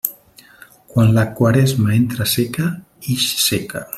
Quan la Quaresma entra seca, ix seca.